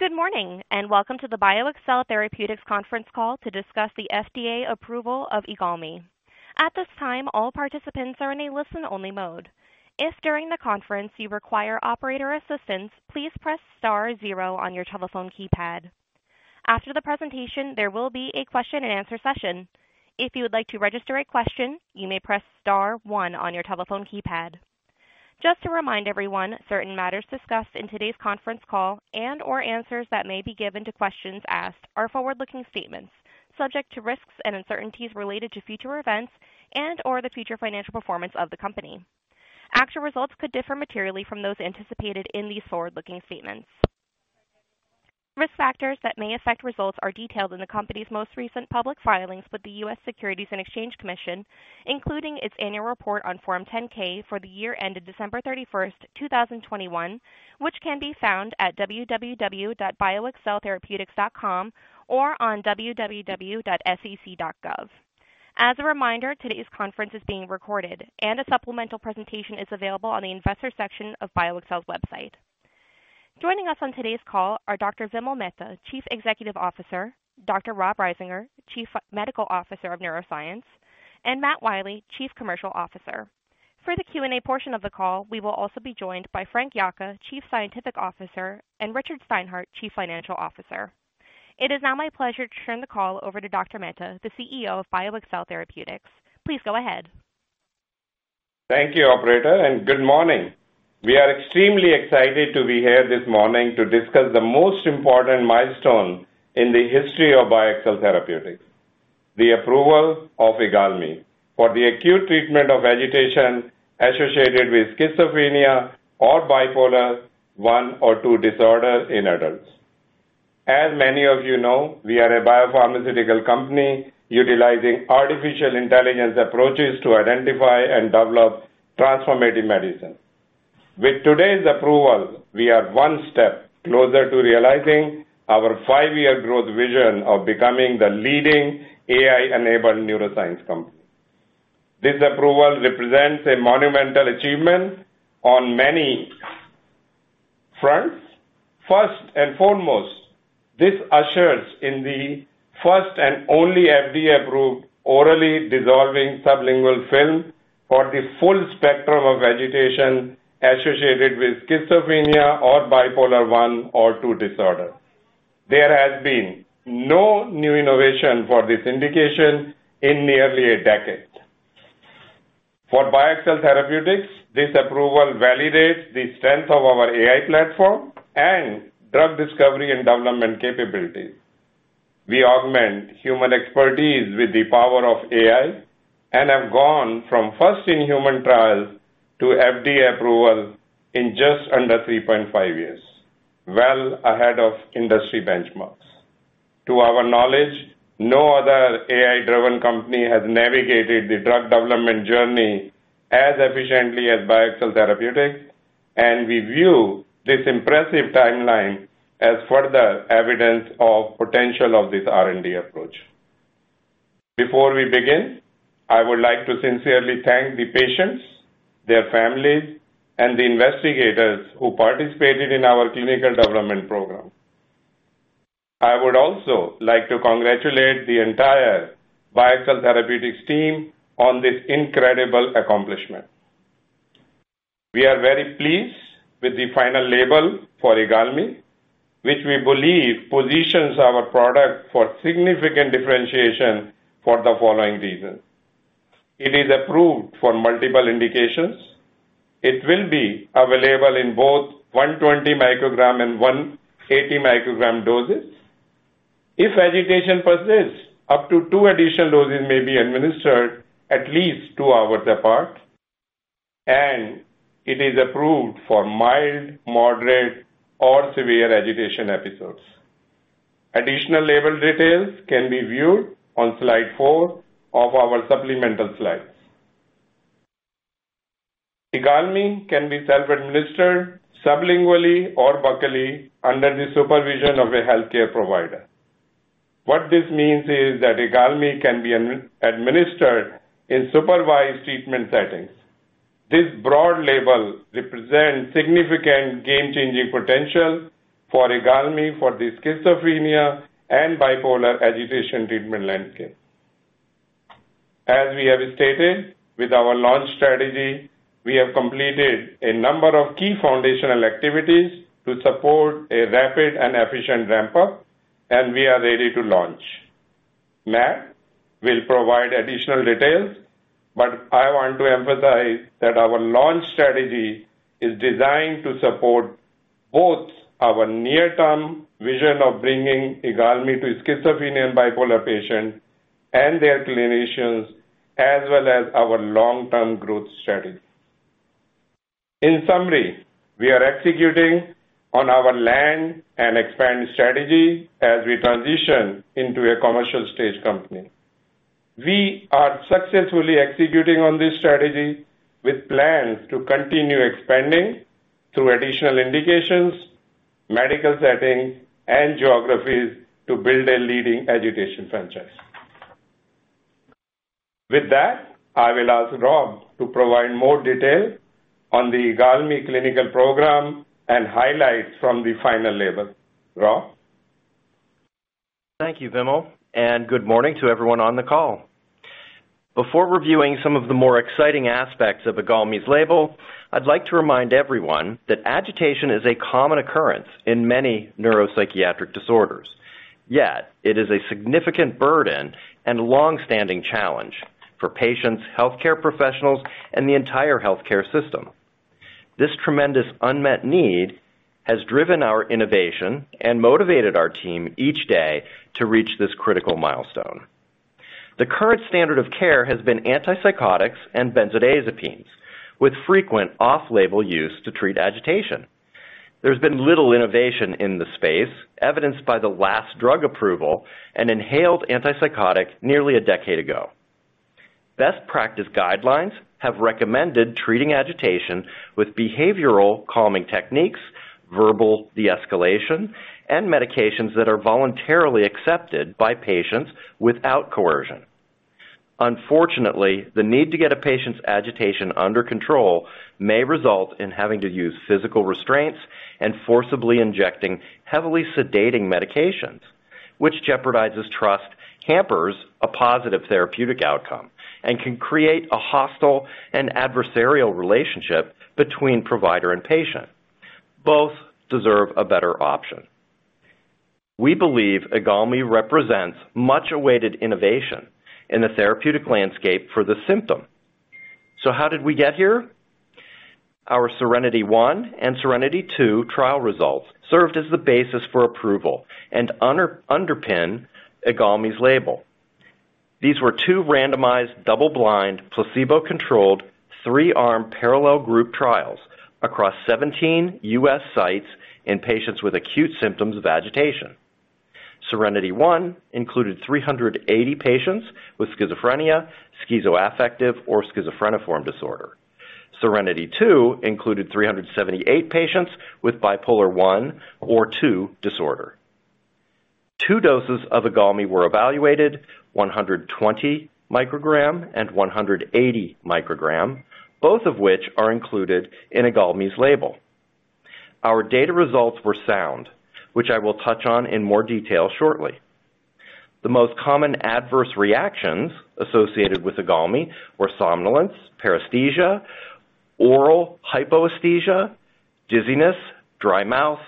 Good morning, and welcome to the BioXcel Therapeutics conference call to discuss the FDA approval of IGALMI. At this time, all participants are in a listen-only mode. If during the conference you require operator assistance, please press star zero on your telephone keypad. After the presentation, there will be a question-and-answer session. If you would like to register a question, you may press star one on your telephone keypad. Just to remind everyone, certain matters discussed in today's conference call and/or answers that may be given to questions asked are forward-looking statements subject to risks and uncertainties related to future events and/or the future financial performance of the company. Actual results could differ materially from those anticipated in these forward-looking statements. Risk factors that may affect results are detailed in the company's most recent public filings with the U.S. Securities and Exchange Commission, including its annual report on Form 10-K for the year ended December 31, 2021, which can be found at www.bioxceltherapeutics.com or on www.sec.gov. As a reminder, today's conference is being recorded and a supplemental presentation is available on the investor section of BioXcel's website. Joining us on today's call are Dr. Vimal Mehta, Chief Executive Officer, Dr. Robert Risinger, Chief Medical Officer of Neuroscience, and Matt Wiley, Chief Commercial Officer. For the Q&A portion of the call, we will also be joined by Frank D. Yocca, Chief Scientific Officer, and Richard I. Steinhart, Chief Financial Officer. It is now my pleasure to turn the call over to Dr. Mehta, the CEO of BioXcel Therapeutics. Please go ahead. Thank you, operator, and good morning. We are extremely excited to be here this morning to discuss the most important milestone in the history of BioXcel Therapeutics, the approval of IGALMI for the acute treatment of agitation associated with schizophrenia or bipolar I or II disorder in adults. As many of you know, we are a biopharmaceutical company utilizing artificial intelligence approaches to identify and develop transformative medicine. With today's approval, we are one step closer to realizing our five-year growth vision of becoming the leading AI-enabled neuroscience company. This approval represents a monumental achievement on many fronts. First and foremost, this ushers in the first and only FDA-approved orally dissolving sublingual film for the full spectrum of agitation associated with schizophrenia or bipolar I or II disorder. There has been no new innovation for this indication in nearly a decade. For BioXcel Therapeutics, this approval validates the strength of our AI platform and drug discovery and development capabilities. We augment human expertise with the power of AI and have gone from first in human trial to FDA approval in just under 3.5 years. Well ahead of industry benchmarks. To our knowledge, no other AI-driven company has navigated the drug development journey as efficiently as BioXcel Therapeutics, and we view this impressive timeline as further evidence of potential of this R&D approach. Before we begin, I would like to sincerely thank the patients, their families, and the investigators who participated in our clinical development program. I would also like to congratulate the entire BioXcel Therapeutics team on this incredible accomplishment. We are very pleased with the final label for IGALMI, which we believe positions our product for significant differentiation for the following reasons. It is approved for multiple indications. It will be available in both 120 mg and 180 mg doses. If agitation persists, up to two additional doses may be administered at least two hours apart, and it is approved for mild, moderate, or severe agitation episodes. Additional label details can be viewed on slide four of our supplemental slides. IGALMI can be self-administered sublingually or buccally under the supervision of a healthcare provider. What this means is that IGALMI can be administered in supervised treatment settings. This broad label represents significant game-changing potential for IGALMI for the schizophrenia and bipolar agitation treatment landscape. As we have stated with our launch strategy, we have completed a number of key foundational activities to support a rapid and efficient ramp up, and we are ready to launch. Matt will provide additional details, but I want to emphasize that our launch strategy is designed to support both our near-term vision of bringing IGALMI to schizophrenia and bipolar patients and their clinicians, as well as our long-term growth strategy. In summary, we are executing on our land and expand strategy as we transition into a commercial stage company. We are successfully executing on this strategy with plans to continue expanding through additional indications, medical settings and geographies to build a leading agitation franchise. With that, I will ask Rob to provide more detail on the IGALMI clinical program and highlights from the final label. Rob? Thank you, Vimal, and good morning to everyone on the call. Before reviewing some of the more exciting aspects of IGALMI's label, I'd like to remind everyone that agitation is a common occurrence in many neuropsychiatric disorders. Yet it is a significant burden and long-standing challenge for patients, healthcare professionals, and the entire healthcare system. This tremendous unmet need has driven our innovation and motivated our team each day to reach this critical milestone. The current standard of care has been antipsychotics and benzodiazepines, with frequent off-label use to treat agitation. There's been little innovation in this space, evidenced by the last drug approval, an inhaled antipsychotic, nearly a decade ago. Best practice guidelines have recommended treating agitation with behavioral calming techniques, verbal de-escalation, and medications that are voluntarily accepted by patients without coercion. Unfortunately, the need to get a patient's agitation under control may result in having to use physical restraints and forcibly injecting heavily sedating medications, which jeopardizes trust, hampers a positive therapeutic outcome, and can create a hostile and adversarial relationship between provider and patient. Both deserve a better option. We believe IGALMI represents much-awaited innovation in the therapeutic landscape for the symptom. How did we get here? Our SERENITY I and SERENITY II trial results served as the basis for approval and underpin IGALMI's label. These were two randomized, double-blind, placebo-controlled, three-arm parallel group trials across 17 U.S. sites in patients with acute symptoms of agitation. SERENITY I included 380 patients with schizophrenia, schizoaffective, or schizophreniform disorder. SERENITY II included 378 patients with bipolar I or II disorder. Two doses of IGALMI were evaluated, 120 mg and 180 mg, both of which are included in IGALMI's label. Our data results were sound, which I will touch on in more detail shortly. The most common adverse reactions associated with IGALMI were somnolence, paresthesia, oral hypoesthesia, dizziness, dry mouth,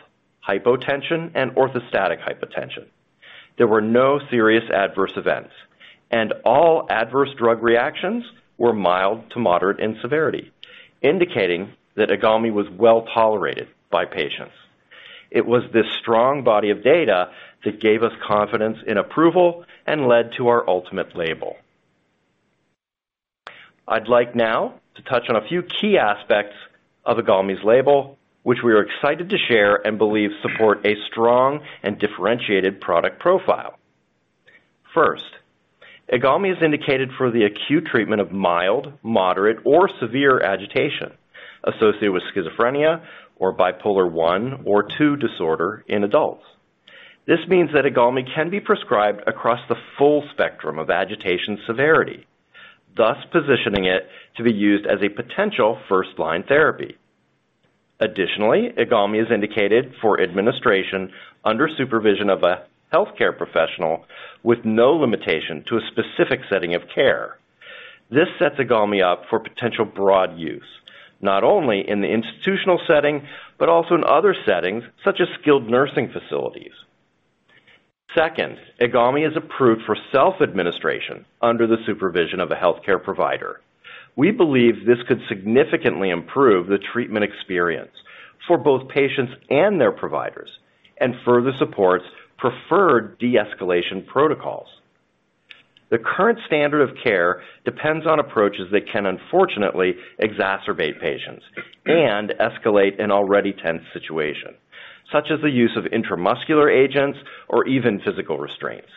hypotension, and orthostatic hypotension. There were no serious adverse events, and all adverse drug reactions were mild to moderate in severity, indicating that IGALMI was well-tolerated by patients. It was this strong body of data that gave us confidence in approval and led to our ultimate label. I'd like now to touch on a few key aspects of IGALMI's label, which we are excited to share and believe support a strong and differentiated product profile. First, IGALMI is indicated for the acute treatment of mild, moderate, or severe agitation associated with schizophrenia or bipolar I or II disorder in adults. This means that IGALMI can be prescribed across the full spectrum of agitation severity, thus positioning it to be used as a potential first-line therapy. Additionally, IGALMI is indicated for administration under supervision of a healthcare professional with no limitation to a specific setting of care. This sets IGALMI up for potential broad use, not only in the institutional setting, but also in other settings such as skilled nursing facilities. Second, IGALMI is approved for self-administration under the supervision of a healthcare provider. We believe this could significantly improve the treatment experience for both patients and their providers and further supports preferred de-escalation protocols. The current standard of care depends on approaches that can, unfortunately, exacerbate patients and escalate an already tense situation, such as the use of intramuscular agents or even physical restraints.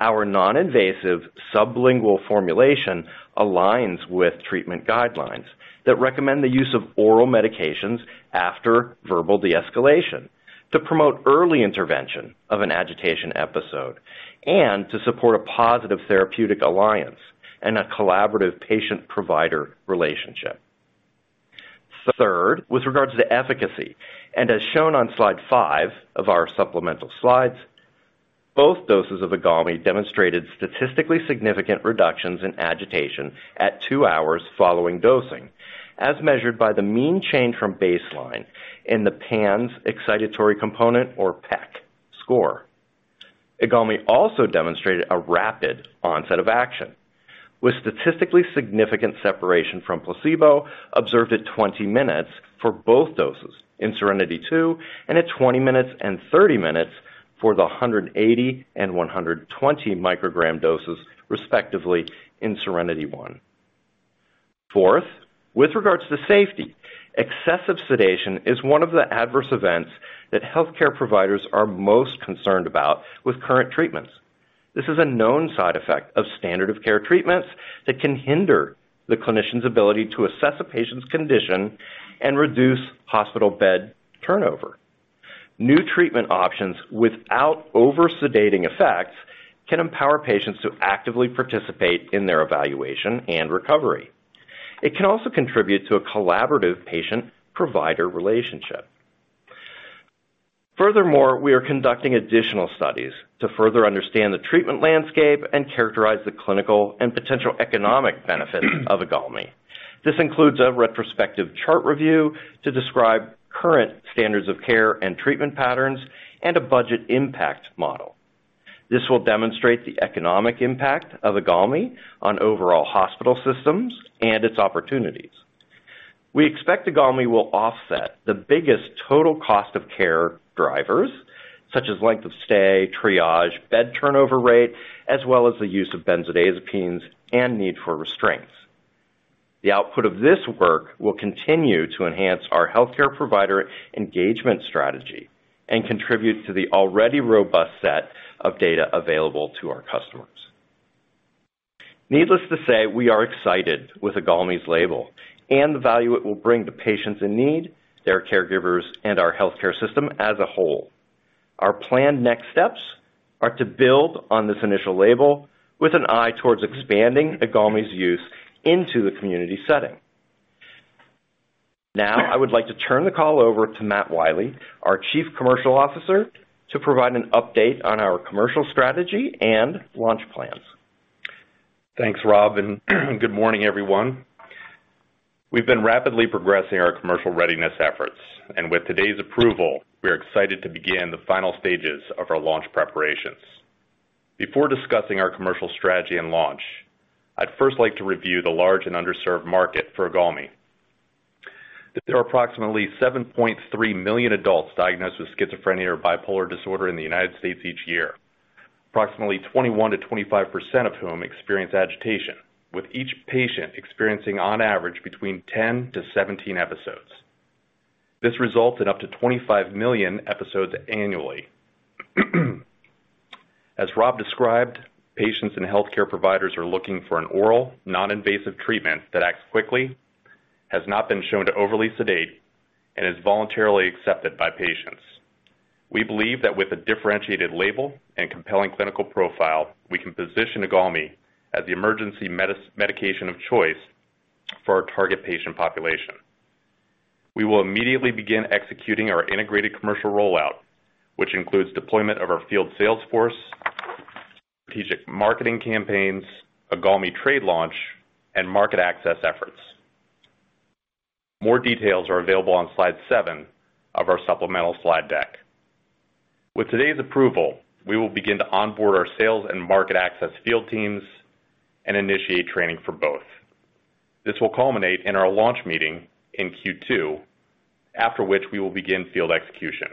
Our non-invasive sublingual formulation aligns with treatment guidelines that recommend the use of oral medications after verbal de-escalation to promote early intervention of an agitation episode and to support a positive therapeutic alliance and a collaborative patient-provider relationship. Third, with regards to efficacy, and as shown on slide five of our supplemental slides, both doses of IGALMI demonstrated statistically significant reductions in agitation at two hours following dosing, as measured by the mean change from baseline in the PANSS Excitatory Component, or PEC, score. IGALMI also demonstrated a rapid onset of action with statistically significant separation from placebo observed at 20 minutes for both doses in SERENITY II and at 20 minutes and 30 minutes for the 180 and 120 mg doses, respectively, in SERENITY I. Fourth, with regards to safety, excessive sedation is one of the adverse events that healthcare providers are most concerned about with current treatments. This is a known side effect of standard-of-care treatments that can hinder the clinician's ability to assess a patient's condition and reduce hospital bed turnover. New treatment options without over-sedating effects can empower patients to actively participate in their evaluation and recovery. It can also contribute to a collaborative patient-provider relationship. Furthermore, we are conducting additional studies to further understand the treatment landscape and characterize the clinical and potential economic benefits of IGALMI. This includes a retrospective chart review to describe current standards of care and treatment patterns and a budget impact model. This will demonstrate the economic impact of IGALMI on overall hospital systems and its opportunities. We expect IGALMI will offset the biggest total cost of care drivers, such as length of stay, triage, bed turnover rate, as well as the use of benzodiazepines and need for restraints. The output of this work will continue to enhance our healthcare provider engagement strategy and contribute to the already robust set of data available to our customers. Needless to say, we are excited with IGALMI's label and the value it will bring to patients in need, their caregivers, and our healthcare system as a whole. Our planned next steps are to build on this initial label with an eye towards expanding IGALMI's use into the community setting. Now I would like to turn the call over to Matt Wiley, our Chief Commercial Officer, to provide an update on our commercial strategy and launch plans. Thanks, Rob, and good morning, everyone. We've been rapidly progressing our commercial readiness efforts. With today's approval, we are excited to begin the final stages of our launch preparations. Before discussing our commercial strategy and launch, I'd first like to review the large and underserved market for IGALMI. There are approximately 7.3 million adults diagnosed with schizophrenia or bipolar disorder in the United States each year, approximately 21%-25% of whom experience agitation, with each patient experiencing on average between 10-17 episodes. This results in up to 25 million episodes annually. As Rob described, patients and healthcare providers are looking for an oral non-invasive treatment that acts quickly, has not been shown to overly sedate, and is voluntarily accepted by patients. We believe that with a differentiated label and compelling clinical profile, we can position IGALMI as the emergency medication of choice for our target patient population. We will immediately begin executing our integrated commercial rollout, which includes deployment of our field sales force, strategic marketing campaigns, IGALMI trade launch, and market access efforts. More details are available on slide seven of our supplemental slide deck. With today's approval, we will begin to onboard our sales and market access field teams and initiate training for both. This will culminate in our launch meeting in Q2, after which we will begin field execution.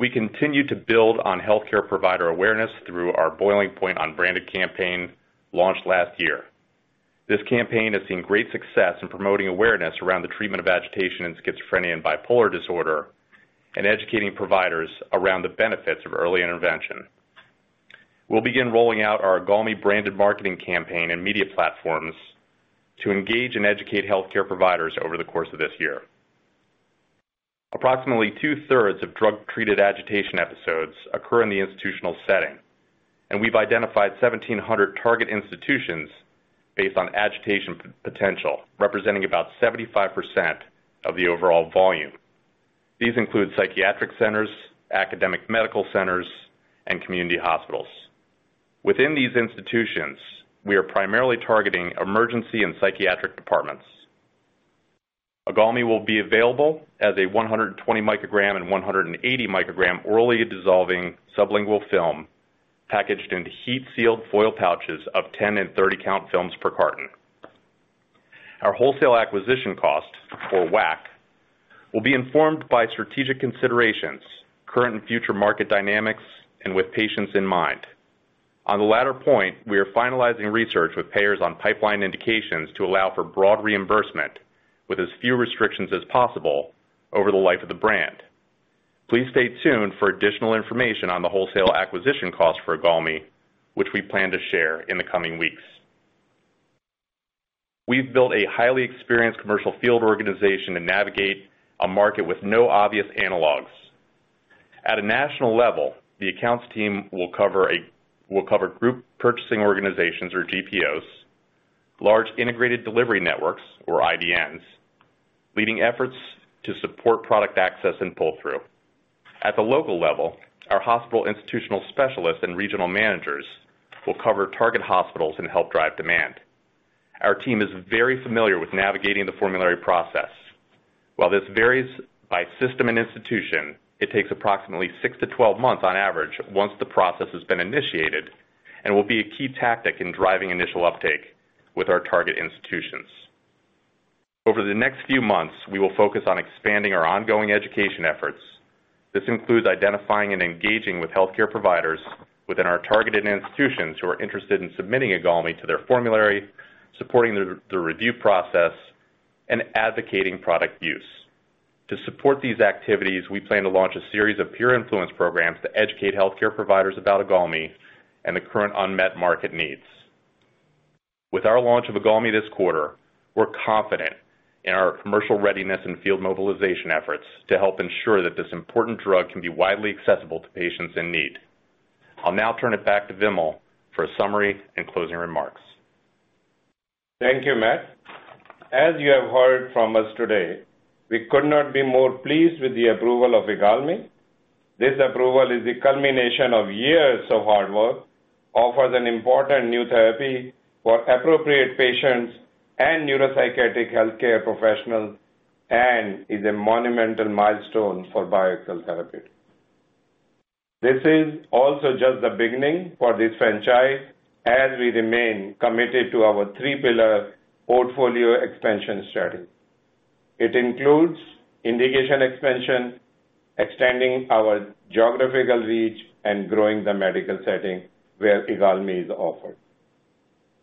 We continue to build on healthcare provider awareness through our Boiling Point non-branded campaign launched last year. This campaign has seen great success in promoting awareness around the treatment of agitation in schizophrenia and bipolar disorder, and educating providers around the benefits of early intervention. We'll begin rolling out our IGALMI branded marketing campaign and media platforms to engage and educate healthcare providers over the course of this year. Approximately two-thirds of drug-treated agitation episodes occur in the institutional setting, and we've identified 1,700 target institutions based on agitation potential, representing about 75% of the overall volume. These include psychiatric centers, academic medical centers, and community hospitals. Within these institutions, we are primarily targeting emergency and psychiatric departments. IGALMI will be available as a 120-microgram and 180-microgram orally dissolving sublingual film packaged into heat-sealed foil pouches of 10- and 30-count films per carton. Our wholesale acquisition cost, or WAC, will be informed by strategic considerations, current and future market dynamics, and with patients in mind. On the latter point, we are finalizing research with payers on pipeline indications to allow for broad reimbursement with as few restrictions as possible over the life of the brand. Please stay tuned for additional information on the wholesale acquisition cost for IGALMI, which we plan to share in the coming weeks. We've built a highly experienced commercial field organization to navigate a market with no obvious analogs. At a national level, the accounts team will cover group purchasing organizations or GPOs, large integrated delivery networks or IDNs, leading efforts to support product access and pull-through. At the local level, our hospital institutional specialists and regional managers will cover target hospitals and help drive demand. Our team is very familiar with navigating the formulary process. While this varies by system and institution, it takes approximately six to 12 months on average once the process has been initiated and will be a key tactic in driving initial uptake with our target institutions. Over the next few months, we will focus on expanding our ongoing education efforts. This includes identifying and engaging with healthcare providers within our targeted institutions who are interested in submitting IGALMI to their formulary, supporting the review process, and advocating product use. To support these activities, we plan to launch a series of peer influence programs to educate healthcare providers about IGALMI and the current unmet market needs. With our launch of IGALMI this quarter, we're confident in our commercial readiness and field mobilization efforts to help ensure that this important drug can be widely accessible to patients in need. I'll now turn it back to Vimal for summary and closing remarks. Thank you, Matt. As you have heard from us today, we could not be more pleased with the approval of IGALMI. This approval is the culmination of years of hard work, offers an important new therapy for appropriate patients and neuropsychiatric healthcare professionals, and is a monumental milestone for BioXcel Therapeutics. This is also just the beginning for this franchise as we remain committed to our three-pillar portfolio expansion strategy. It includes indication expansion, extending our geographical reach, and growing the medical setting where IGALMI is offered.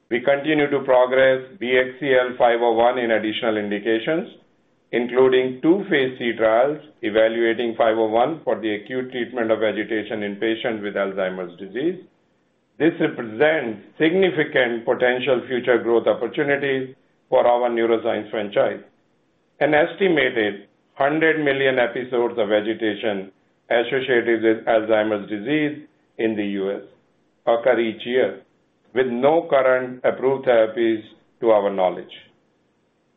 We continue to progress BXCL501 in additional indications, including two phase III trials evaluating 501 for the acute treatment of agitation in patients with Alzheimer's disease. This represents significant potential future growth opportunities for our neuroscience franchise. An estimated 100 million episodes of agitation associated with Alzheimer's disease in the U.S. occur each year with no current approved therapies to our knowledge.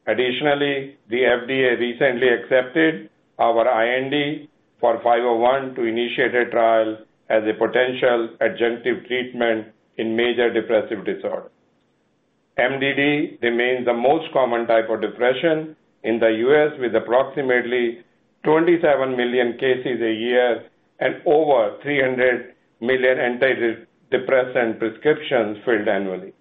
Additionally, the FDA recently accepted our IND for five oh one to initiate a trial as a potential adjunctive treatment in major depressive disorder. MDD remains the most common type of depression in the U.S., with approximately 27 million cases a year and over 300 million antidepressant prescriptions filled annually.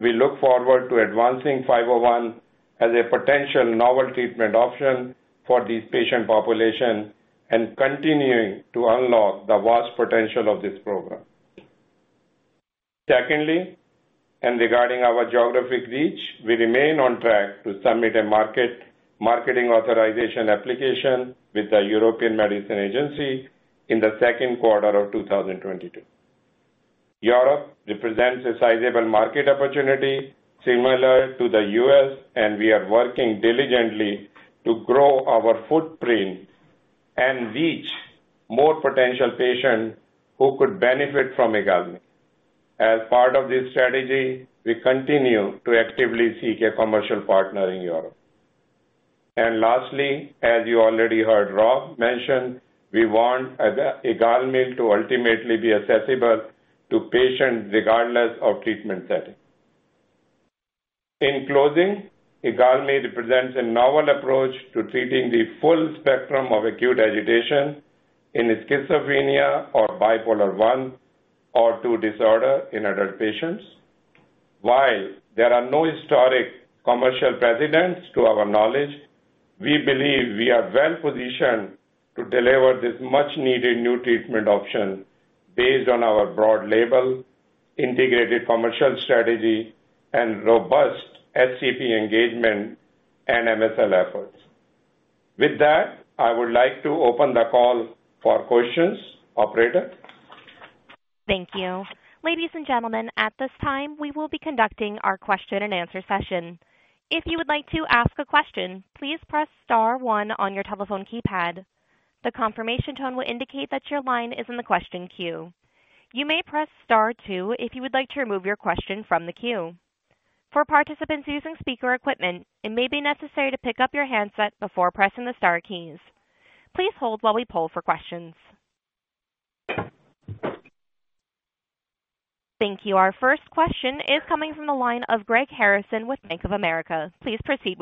We look forward to advancing five oh one as a potential novel treatment option for this patient population and continuing to unlock the vast potential of this program. Secondly, regarding our geographic reach, we remain on track to submit a marketing authorization application with the European Medicines Agency in the second quarter of 2022. Europe represents a sizable market opportunity similar to the U.S., and we are working diligently to grow our footprint and reach more potential patients who could benefit from IGALMI. As part of this strategy, we continue to actively seek a commercial partner in Europe. Lastly, as you already heard Rob mention, we want IGALMI to ultimately be accessible to patients regardless of treatment setting. In closing, IGALMI represents a novel approach to treating the full spectrum of acute agitation in schizophrenia or bipolar I or II disorder in adult patients. While there are no historic commercial precedents to our knowledge, we believe we are well positioned to deliver this much-needed new treatment option based on our broad label, integrated commercial strategy, and robust SCP engagement and MSL efforts. With that, I would like to open the call for questions. Operator? Thank you. Ladies and gentlemen, at this time, we will be conducting our question and answer session. If you would like to ask a question, please press star one on your telephone keypad. The confirmation tone will indicate that your line is in the question queue. You may press star two if you would like to remove your question from the queue. For participants using speaker equipment, it may be necessary to pick up your handset before pressing the star keys. Please hold while we poll for questions. Thank you. Our first question is coming from the line of Greg Harrison with Bank of America. Please proceed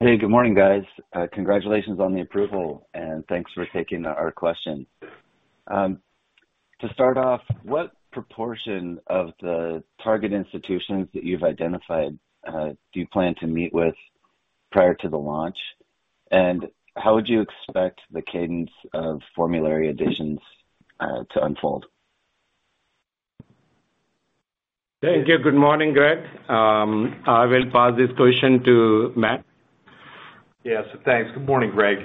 with your question. Hey, good morning, guys. Congratulations on the approval and thanks for taking our question. To start off, what proportion of the target institutions that you've identified do you plan to meet with prior to the launch? How would you expect the cadence of formulary additions to unfold? Thank you. Good morning, Greg. I will pass this question to Matt. Yes. Thanks. Good morning, Greg.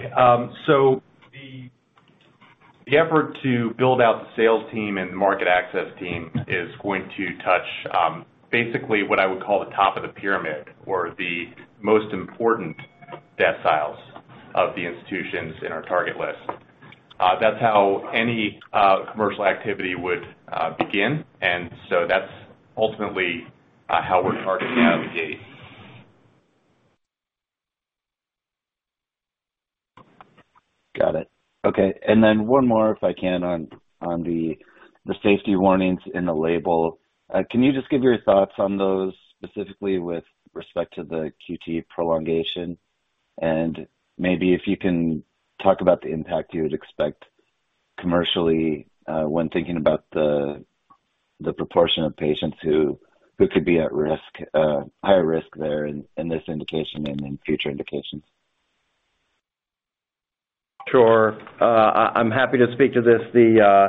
The effort to build out the sales team and market access team is going to touch basically what I would call the top of the pyramid or the most important deciles of the institutions in our target list. That's how any commercial activity would begin. That's ultimately how we're targeting out the gate. Got it. Okay. One more, if I can, on the safety warnings in the label. Can you just give your thoughts on those specifically with respect to the QT prolongation? Maybe if you can talk about the impact you would expect commercially, when thinking about the proportion of patients who could be at risk, higher risk there in this indication and in future indications. Sure. I'm happy to speak to this. The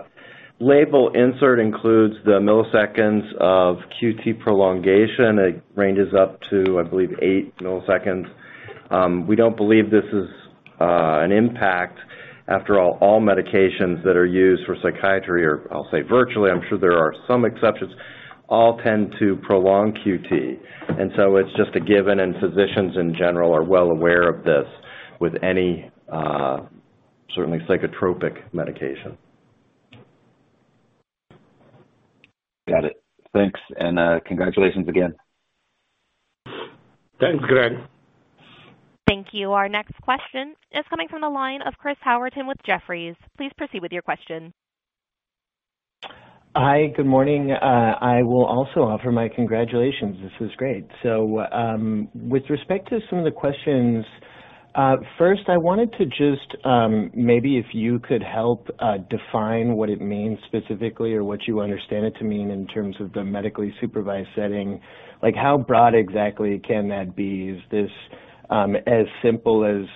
label insert includes the milliseconds of QT prolongation. It ranges up to, I believe, eight milliseconds. We don't believe this is an impact. After all medications that are used for psychiatry are, I'll say virtually, I'm sure there are some exceptions, all tend to prolong QT. It's just a given, and physicians in general are well aware of this with any certainly psychotropic medication. Got it. Thanks, and congratulations again. Thanks, Greg. Thank you. Our next question is coming from the line of Chris Howerton with Jefferies. Please proceed with your question. Hi. Good morning. I will also offer my congratulations. This is great. With respect to some of the questions, first, I wanted to just maybe if you could help define what it means specifically or what you understand it to mean in terms of the medically supervised setting. Like, how broad exactly can that be? Is this as simple as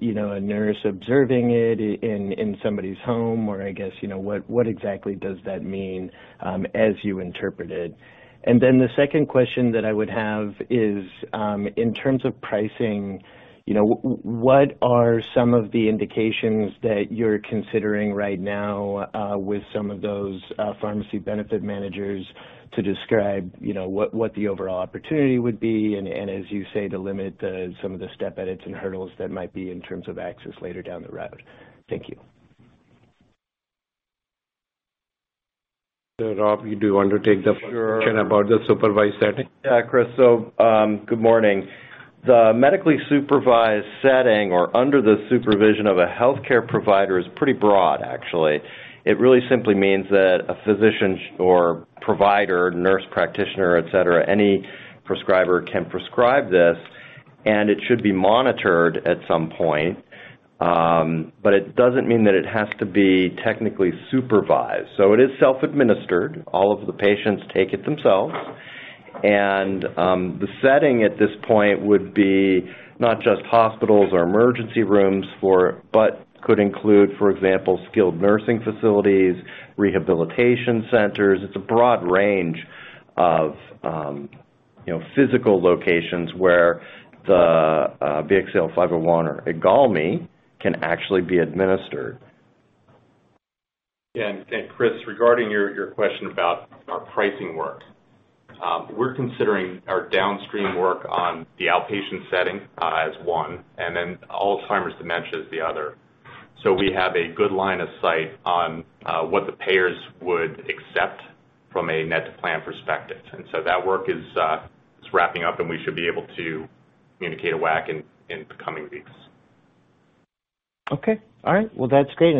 you know, a nurse observing it in somebody's home? Or I guess, you know, what exactly does that mean as you interpret it? The second question that I would have is, in terms of pricing, you know, what are some of the indications that you're considering right now, with some of those pharmacy benefit managers to describe, you know, what the overall opportunity would be, and as you say, to limit some of the step edits and hurdles that might be in terms of access later down the road? Thank you. Rob, you do want to take the. Sure. Question about the supervised setting? Yeah, Chris. Good morning. The medically supervised setting or under the supervision of a healthcare provider is pretty broad, actually. It really simply means that a physician or provider, nurse practitioner, et cetera, any prescriber can prescribe this, and it should be monitored at some point. It doesn't mean that it has to be technically supervised. It is self-administered. All of the patients take it themselves. The setting at this point would be not just hospitals or emergency rooms for it, but could include, for example, skilled nursing facilities, rehabilitation centers. It's a broad range of physical locations where the BXCL501 or IGALMI can actually be administered. Yeah. Chris, regarding your question about our pricing work, we're considering our downstream work on the outpatient setting, as one, and then Alzheimer's dementia as the other. We have a good line of sight on what the payers would accept from a net to plan perspective. That work is wrapping up, and we should be able to communicate a WAC in the coming weeks. Okay. All right. Well, that's great.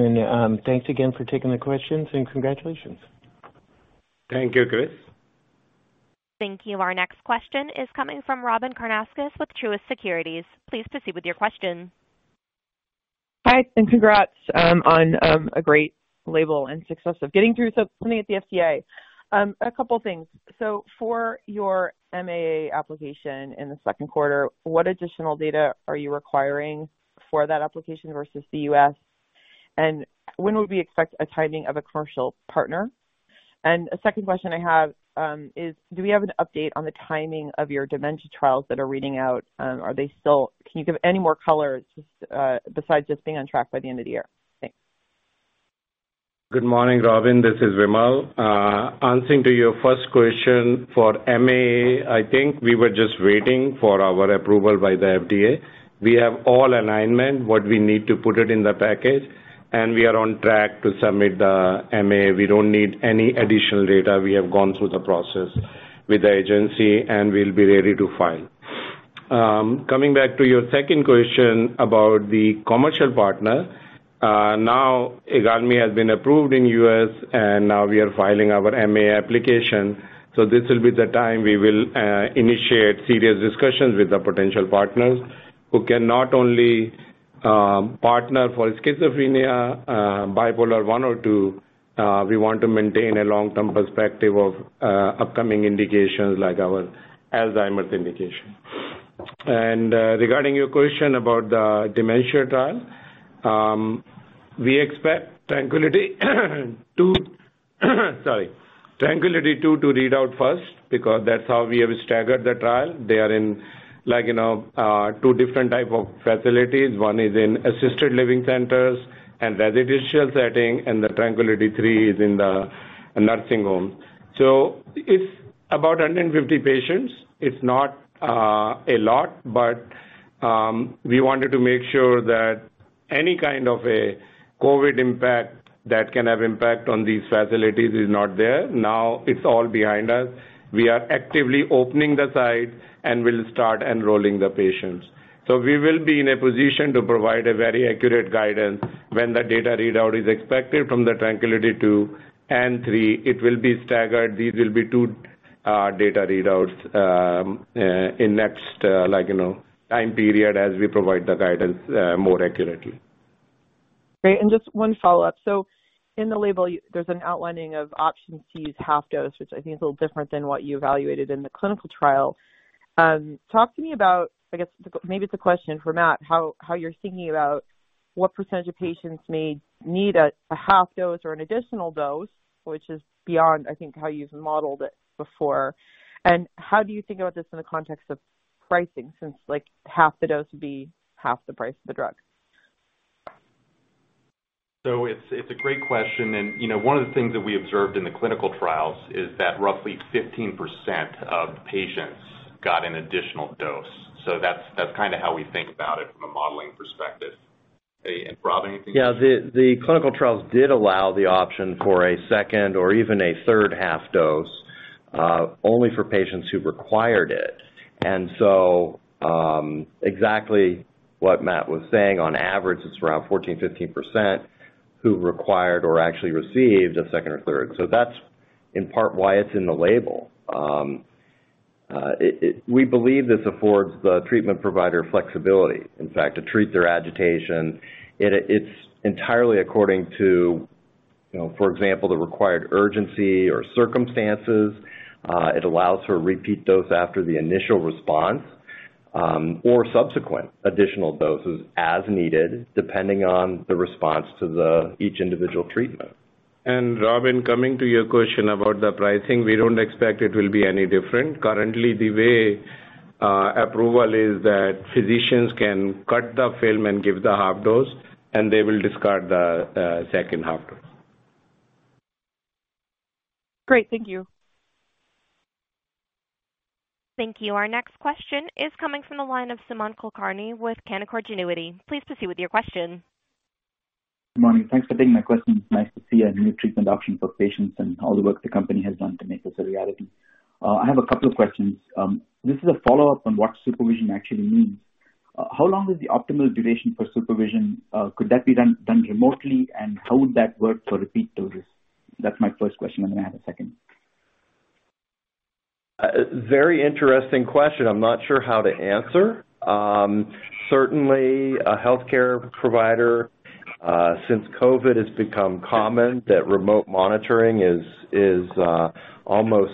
Thanks again for taking the questions, and congratulations. Thank you, Chris. Thank you. Our next question is coming from Robyn Karnauskas with Truist Securities. Please proceed with your question. Hi, congrats on a great label and success of getting through submitting at the FDA. A couple things. For your MAA application in the second quarter, what additional data are you requiring for that application versus the U.S.? When would we expect a timing of a commercial partner? A second question I have is do we have an update on the timing of your dementia trials that are reading out? Can you give any more color, just, besides just being on track by the end of the year? Thanks. Good morning, Robyn. This is Vimal. Answering to your first question for MAA, I think we were just waiting for our approval by the FDA. We have all alignment, what we need to put it in the package, and we are on track to submit the MAA. We don't need any additional data. We have gone through the process with the agency, and we'll be ready to file. Coming back to your second question about the commercial partner. Now IGALMI has been approved in U.S., and now we are filing our MAA application. This will be the time we will initiate serious discussions with the potential partners who can not only partner for schizophrenia, bipolar one or two, we want to maintain a long-term perspective of upcoming indications like our Alzheimer's indication. Regarding your question about the dementia trial, we expect TRANQUILITY II to read out first because that's how we have staggered the trial. They are in like, you know, two different type of facilities. One is in assisted living centers and residential setting, and the TRANQUILITY III is in the nursing home. It's about 150 patients. It's not a lot, but we wanted to make sure that any kind of a COVID impact that can have impact on these facilities is not there. Now it's all behind us. We are actively opening the site, and we'll start enrolling the patients. We will be in a position to provide a very accurate guidance when the data readout is expected from the TRANQUILITY II and III. It will be staggered. These will be two data readouts in next like you know time period as we provide the guidance more accurately. Great. Just one follow-up. In the label, there's an outlining of option C's half dose, which I think is a little different than what you evaluated in the clinical trial. Talk to me about, I guess, maybe it's a question for Matt, how you're thinking about What percentage of patients may need a half dose or an additional dose which is beyond, I think, how you've modeled it before? And how do you think about this in the context of pricing since, like, half the dose would be half the price of the drug? It's a great question. You know, one of the things that we observed in the clinical trials is that roughly 15% of patients got an additional dose. That's kinda how we think about it from a modeling perspective. Hey, and Rob, anything- Yeah. The clinical trials did allow the option for a second or even a third half dose, only for patients who required it. Exactly what Matt was saying, on average, it's around 14%-15% who required or actually received a second or third. That's in part why it's in the label. We believe this affords the treatment provider flexibility, in fact, to treat their agitation. It's entirely according to, you know, for example, the required urgency or circumstances. It allows for a repeat dose after the initial response, or subsequent additional doses as needed, depending on the response to each individual treatment. Robyn, coming to your question about the pricing, we don't expect it will be any different. Currently, the way approval is that physicians can cut the film and give the half dose, and they will discard the second half dose. Great. Thank you. Thank you. Our next question is coming from the line of Sumant Kulkarni with Canaccord Genuity. Please proceed with your question. Good morning. Thanks for taking my question. It's nice to see a new treatment option for patients and all the work the company has done to make this a reality. I have a couple of questions. This is a follow-up on what supervision actually means. How long is the optimal duration for supervision? Could that be done remotely? How would that work for repeat doses? That's my first question, and then I have a second. A very interesting question I'm not sure how to answer. Certainly a healthcare provider since COVID has become common that remote monitoring is almost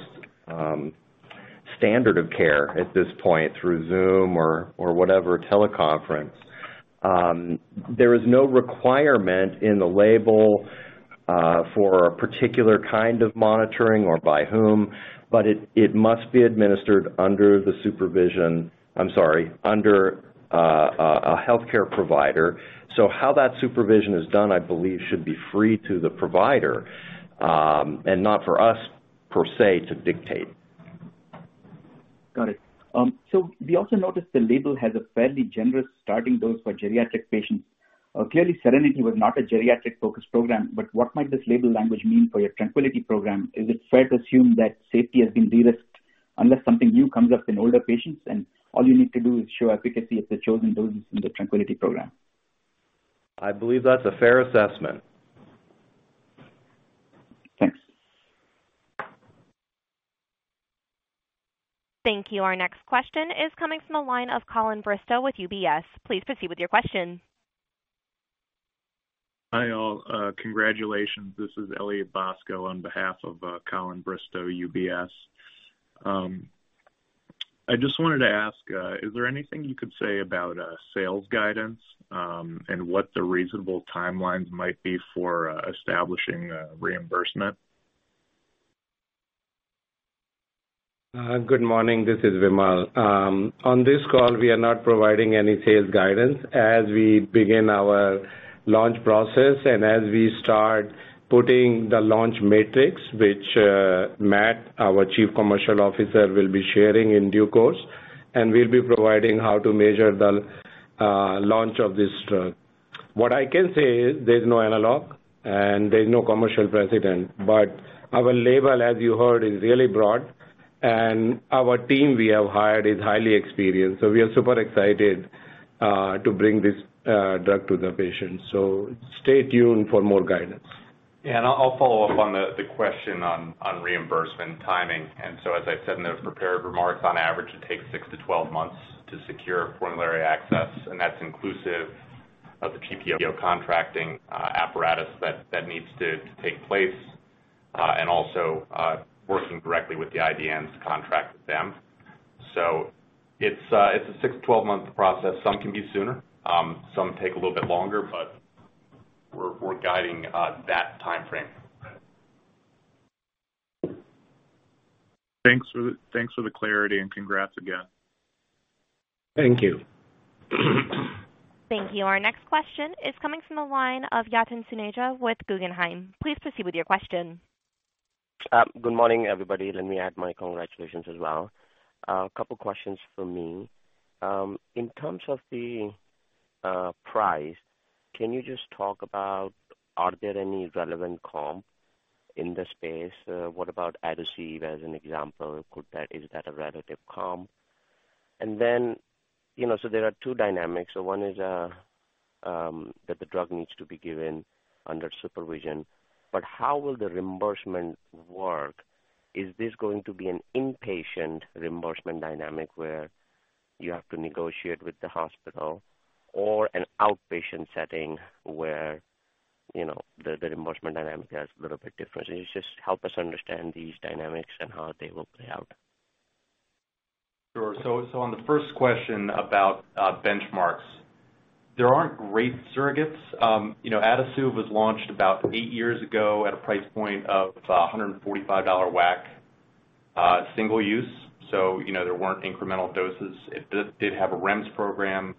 standard of care at this point through Zoom or whatever teleconference. There is no requirement in the label for a particular kind of monitoring or by whom, but it must be administered under a healthcare provider. How that supervision is done, I believe should be free to the provider and not for us, per se, to dictate. Got it. We also noticed the label has a fairly generous starting dose for geriatric patients. Clearly, Serenity was not a geriatric-focused program. What might this label language mean for your Tranquility program? Is it fair to assume that safety has been de-risked unless something new comes up in older patients, and all you need to do is show efficacy at the chosen doses in the Tranquility program? I believe that's a fair assessment. Thanks. Thank you. Our next question is coming from the line of Colin Bristow with UBS. Please proceed with your question. Hi, all. Congratulations. This is Elliot Bosco on behalf of, Colin Bristow, UBS. I just wanted to ask, is there anything you could say about, sales guidance, and what the reasonable timelines might be for, establishing a reimbursement? Good morning. This is Vimal. On this call, we are not providing any sales guidance as we begin our launch process and as we start putting the launch matrix, which Matt, our Chief Commercial Officer, will be sharing in due course. We'll be providing how to measure the launch of this drug. What I can say is there's no analog, and there's no commercial precedent. Our label, as you heard, is really broad, and our team we have hired is highly experienced. We are super excited to bring this drug to the patients. Stay tuned for more guidance. Yeah. I'll follow up on the question on reimbursement timing. As I said in the prepared remarks, on average it takes six to 12 months to secure formulary access, and that's inclusive of the GPO contracting apparatus that needs to take place, and also working directly with the IDNs to contract with them. It's a six to 12-month process. Some can be sooner. Some take a little bit longer, but we're guiding that timeframe. Thanks for the clarity and congrats again. Thank you. Thank you. Our next question is coming from the line of Yatin Suneja with Guggenheim. Please proceed with your question. Good morning, everybody. Let me add my congratulations as well. A couple questions from me. In terms of the price, can you just talk about are there any relevant comp in the space? What about Adasuve as an example? Is that a relative comp? Then, you know, there are two dynamics. One is that the drug needs to be given under supervision, but how will the reimbursement work? Is this going to be an inpatient reimbursement dynamic where you have to negotiate with the hospital or an outpatient setting where the reimbursement dynamic is a little bit different? Can you just help us understand these dynamics and how they will play out? Sure. On the first question about benchmarks, there aren't great surrogates. You know, Adasuve was launched about eight years ago at a price point of $145 WAC, single-use. You know, there weren't incremental doses. It did have a REMS program.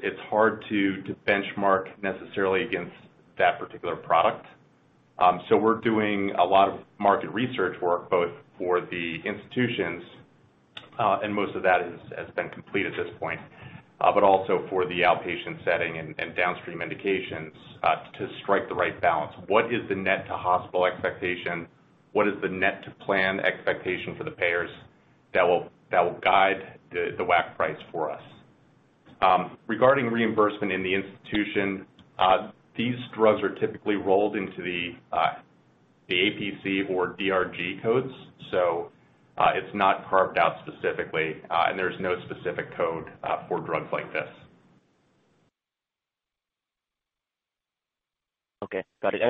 It's hard to benchmark necessarily against that particular product. We're doing a lot of market research work both for the institutions, and most of that has been complete at this point, but also for the outpatient setting and downstream indications, to strike the right balance. What is the net to hospital expectation? What is the net to plan expectation for the payers that will guide the WAC price for us? Regarding reimbursement in the institution, these drugs are typically rolled into the APC or DRG codes, so it's not carved out specifically, and there's no specific code for drugs like this. Okay. Got it.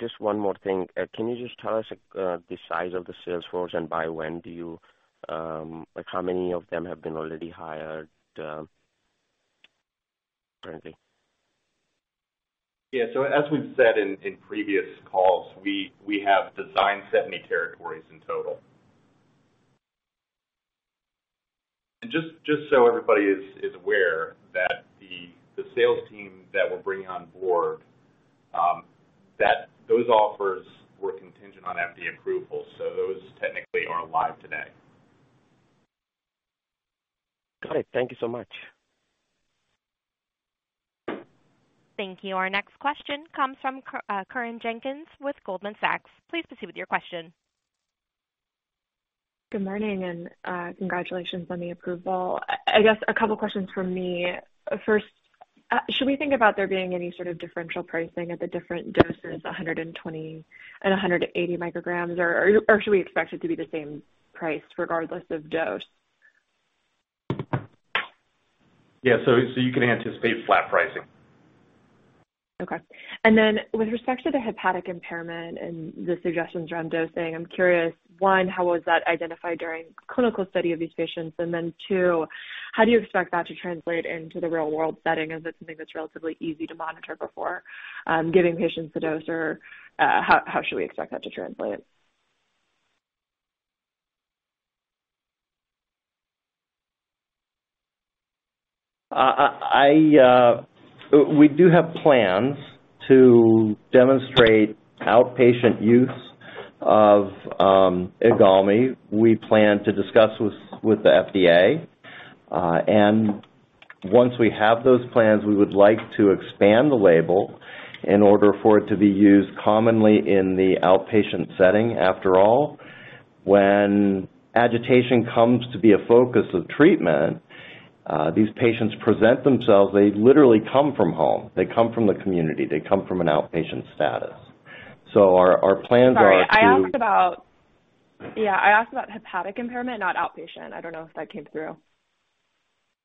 Just one more thing. Can you just tell us the size of the sales force and by when do you like how many of them have been already hired currently? Yeah, as we've said in previous calls, we have designed 70 territories in total. Just so everybody is aware that the sales team that we're bringing on board, those offers were contingent on FDA approval, so those technically aren't live today. Got it. Thank you so much. Thank you. Our next question comes from Corinne Jenkins with Goldman Sachs. Please proceed with your question. Good morning and congratulations on the approval. I guess a couple questions from me. First, should we think about there being any sort of differential pricing at the different doses, 120 and 180 micrograms or should we expect it to be the same price regardless of dose? You can anticipate flat pricing. Okay. With respect to the hepatic impairment and the suggestions around dosing, I'm curious, one, how was that identified during clinical study of these patients? Two, how do you expect that to translate into the real world setting? Is it something that's relatively easy to monitor before giving patients the dose? Or, how should we expect that to translate? We do have plans to demonstrate outpatient use of IGALMI. We plan to discuss with the FDA. Once we have those plans, we would like to expand the label in order for it to be used commonly in the outpatient setting. After all, when agitation comes to be a focus of treatment, these patients present themselves. They literally come from home. They come from the community. They come from an outpatient status. Our plans are to- Sorry, I asked about hepatic impairment, not outpatient. I don't know if that came through.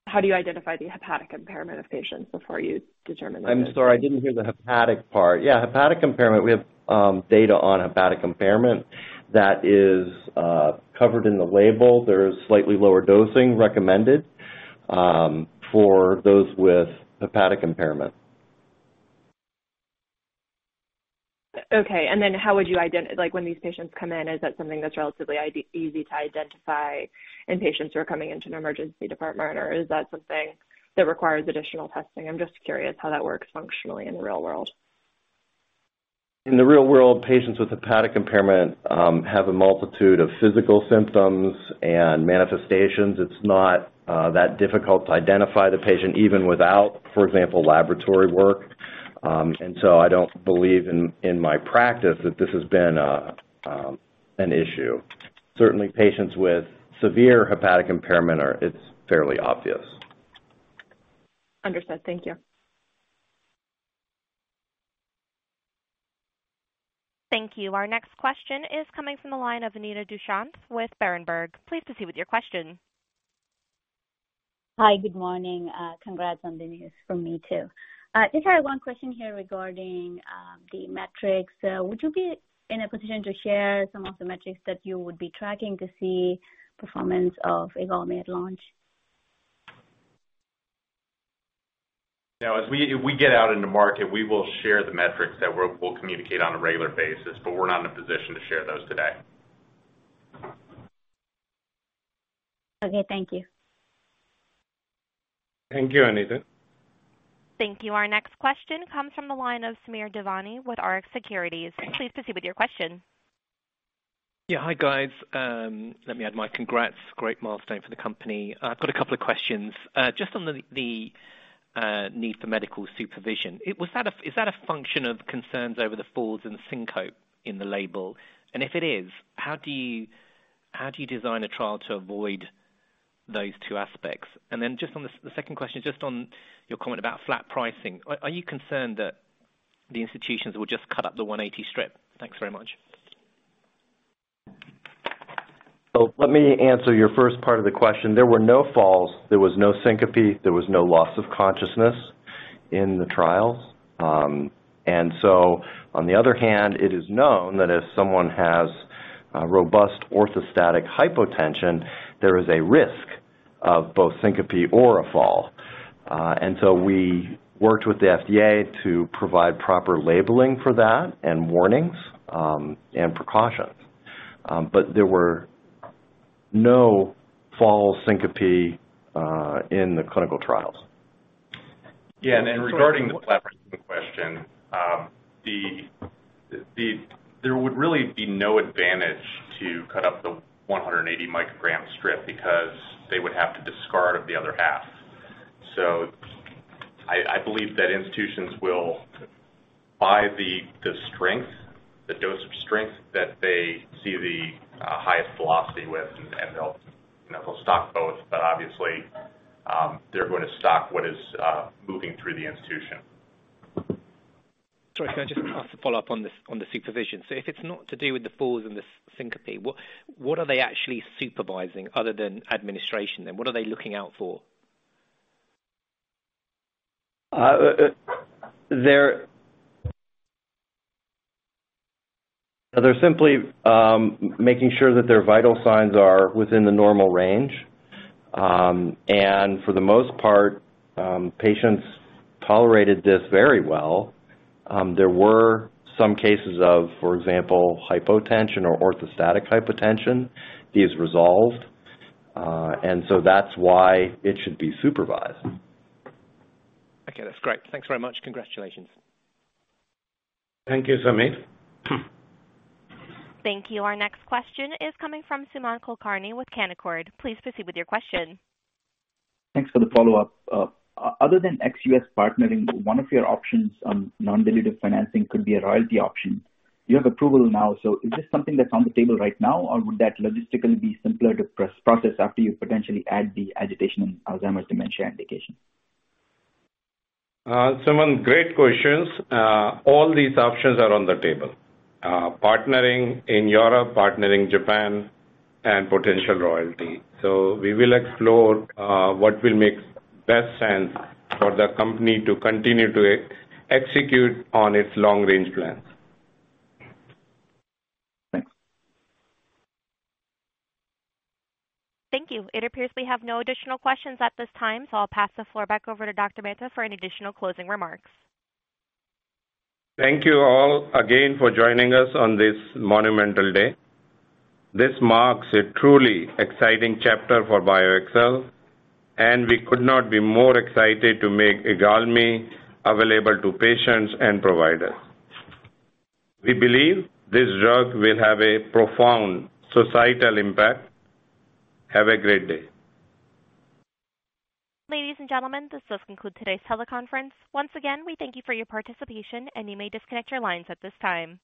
How do you identify the hepatic impairment of patients before you determine the- I'm sorry, I didn't hear the hepatic part. Yeah, hepatic impairment, we have data on hepatic impairment that is covered in the label. There's slightly lower dosing recommended for those with hepatic impairment. Okay. Like, when these patients come in, is that something that's relatively easy to identify in patients who are coming into an emergency department? Or is that something that requires additional testing? I'm just curious how that works functionally in the real world. In the real world, patients with hepatic impairment have a multitude of physical symptoms and manifestations. It's not that difficult to identify the patient even without, for example, laboratory work. I don't believe in my practice that this has been an issue. Certainly patients with severe hepatic impairment. It's fairly obvious. Understood. Thank you. Thank you. Our next question is coming from the line of Anita Dushyanth with Berenberg. Please proceed with your question. Hi. Good morning. Congrats on the news from you too. Just had one question here regarding the metrics. Would you be in a position to share some of the metrics that you would be tracking to see performance of IGALMI at launch? Now, as we get out in the market, we will share the metrics that we'll communicate on a regular basis, but we're not in a position to share those today. Okay. Thank you. Thank you, Anita. Thank you. Our next question comes from the line of Sameek Divan with Rx Securities. Please proceed with your question. Yeah. Hi, guys. Let me add my congrats. Great milestone for the company. I've got a couple of questions. Just on the need for medical supervision. Is that a function of concerns over the falls and syncope in the label? And if it is, how do you design a trial to avoid those two aspects? And then just on the second question, just on your comment about flat pricing. Are you concerned that the institutions will just cut up the 180 strip? Thanks very much. Let me answer your first part of the question. There were no falls, there was no syncope, there was no loss of consciousness in the trials. On the other hand, it is known that if someone has a robust orthostatic hypotension, there is a risk of both syncope or a fall. We worked with the FDA to provide proper labeling for that and warnings, and precautions. There were no falls syncope in the clinical trials. Yeah. Regarding the question, there would really be no advantage to cut up the 180 microgram strip because they would have to discard of the other half. I believe that institutions will buy the strength, the dose of strength that they see the highest velocity with, and they'll, you know, they'll stock both. Obviously, they're going to stock what is moving through the institution. Sorry, can I just ask a follow-up on the supervision? If it's not to do with the falls and the syncope, what are they actually supervising other than administration then? What are they looking out for? They're simply making sure that their vital signs are within the normal range. For the most part, patients tolerated this very well. There were some cases of, for example, hypotension or orthostatic hypotension. These resolved, and so that's why it should be supervised. Okay, that's great. Thanks very much. Congratulations. Thank you, Sameek. Thank you. Our next question is coming from Sumant Kulkarni with Canaccord. Please proceed with your question. Thanks for the follow-up. Other than ex-U.S. partnering, one of your options on non-dilutive financing could be a royalty option. You have approval now, so is this something that's on the table right now or would that logistically be simpler to process after you potentially add the agitation Alzheimer's dementia indication? Sumant, great questions. All these options are on the table. Partnering in Europe, partnering in Japan and potential royalty. We will explore what will make best sense for the company to continue to execute on its long-range plans. Thanks. Thank you. It appears we have no additional questions at this time, so I'll pass the floor back over to Dr. Mehta for any additional closing remarks. Thank you all again for joining us on this monumental day. This marks a truly exciting chapter for BioXcel, and we could not be more excited to make IGALMI available to patients and providers. We believe this drug will have a profound societal impact. Have a great day. Ladies and gentlemen, this does conclude today's teleconference. Once again, we thank you for your participation and you may disconnect your lines at this time.